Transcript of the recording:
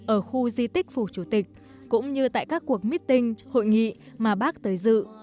ở khu di tích phủ chủ tịch cũng như tại các cuộc meeting hội nghị mà bác tới dự